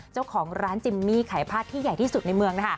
เจ้าของร้านจิมมี่ขายผ้าที่ใหญ่ที่สุดในเมือง